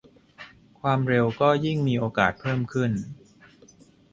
ความเร็วก็ยิ่งมีโอกาสเพิ่มขึ้น